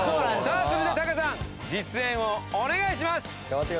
さあそれではタカさん実演をお願いします。